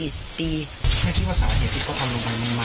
เธอคิดว่าสาเหตุที่เขาทำลงไปมันมากับความเทียบเรื่องเงินหรือเปล่า